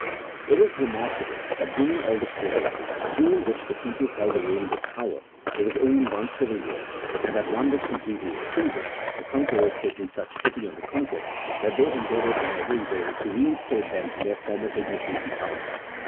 It is remarkable that during all the period, during which the people held the reins of power, there was only one civil war, and that one was completely extinguished, the conquerors taking such pity on the conquered, that they endeavoured in every way to reinstate them in their former dignity and power.